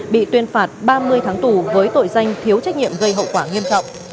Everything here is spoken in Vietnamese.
bị tuyên phạt ba mươi tháng tù với tội danh thiếu trách nhiệm gây hậu quả nghiêm trọng